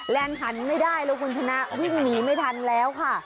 หันไม่ได้แล้วคุณชนะวิ่งหนีไม่ทันแล้วค่ะ